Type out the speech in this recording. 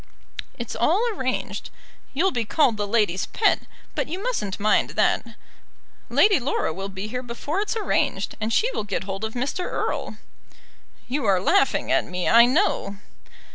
"It's all arranged. You'll be called the ladies' pet, but you mustn't mind that. Lady Laura will be here before it's arranged, and she will get hold of Mr. Erle." "You are laughing at me, I know."